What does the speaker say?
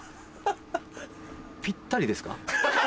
ぴったりですか？